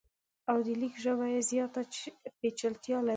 او د لیک ژبه یې زیاته پیچلتیا لري.